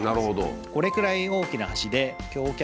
これくらい大きな橋で。